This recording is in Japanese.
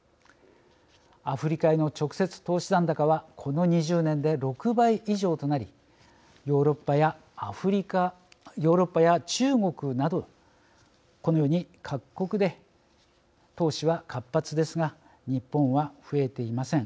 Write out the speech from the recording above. アフリカへの直接投資残高はこの２０年で６倍以上となりヨーロッパやアフリカ中国などこのように各国で投資は活発ですが日本は増えてません。